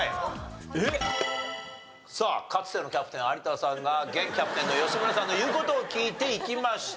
さあかつてのキャプテン有田さんが現キャプテンの吉村さんの言う事を聞いていきました。